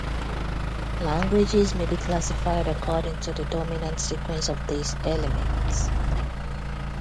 Languages may be classified according to the dominant sequence of these elements.